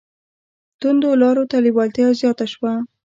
توندو لارو ته لېوالتیا زیاته شوه